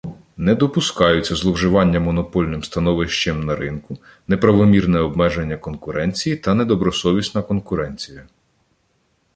Не допускаються зловживання монопольним становищем на ринку, неправомірне обмеження конкуренції та недобросовісна конкуренція